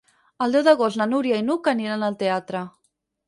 El deu d'agost na Núria i n'Hug aniran al teatre.